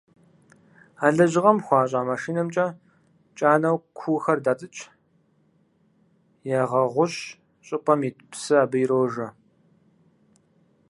А лэжьыгъэм хуэщӀа машинэмкӀэ кӀэнауэ куухэр датӀыкӀ, ягъэгъущ щӀыпӀэм ит псыр абы ирожэ.